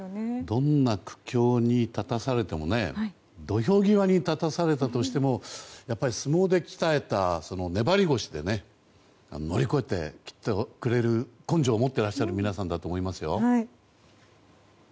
どんな苦境に立たされても土俵際に立たされたとしても相撲で鍛えた粘り腰で乗り越えていってくれる根性を持っていらっしゃる皆さんだと思いますよ。